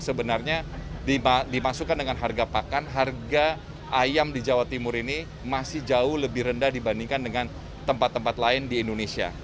sebenarnya dimasukkan dengan harga pakan harga ayam di jawa timur ini masih jauh lebih rendah dibandingkan dengan tempat tempat lain di indonesia